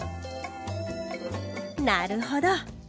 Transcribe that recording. なるほど！